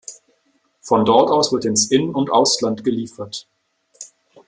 Von dort aus wird ins In- und Ausland geliefert.